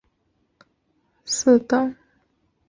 他的尸体随后被分成四等分。